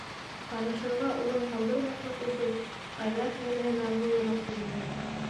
Ҡарышырға урын ҡалдырмаҫлыҡ итеп, Айҙар һеңлеһенә бойороҡ бирҙе: